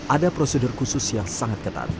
ada prosedur khusus yang sangat ketat